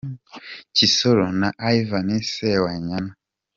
Kisolo na Ivani Sewanyana.